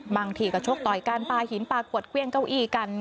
บางทีก็ชกต่อยการปลาหินปลาขวดเครื่องเก้าอี้กัน